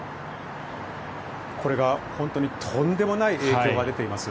これが本当にとんでもない影響が出ています。